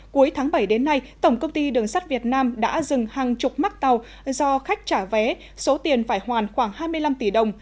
cuối tháng bảy đến nay tổng công ty đường sắt việt nam đã dừng hàng chục mắc tàu do khách trả vé số tiền phải hoàn khoảng hai mươi năm tỷ đồng